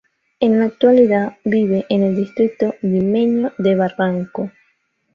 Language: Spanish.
En la actualidad vive en el distrito limeño de Barranco.